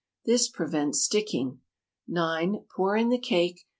This prevents sticking. 9. Pour in the cake.